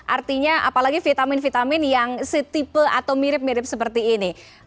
artinya apalagi vitamin vitamin yang setipe atau mirip mirip seperti ini